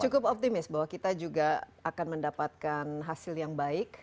cukup optimis bahwa kita juga akan mendapatkan hasil yang baik